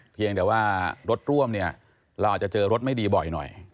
เพียงแต่ว่ารถร่วมเนี่ยเราอาจจะเจอรถไม่ดีบ่อยหน่อย